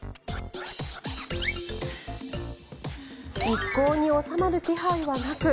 一向に収まる気配はなく